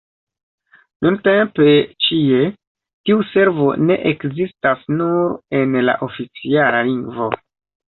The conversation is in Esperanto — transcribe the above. Nuntempe ĉie tiu servo ne ekzistas, nur en la oficiala lingvo.